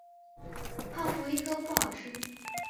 泡芙一颗不好吃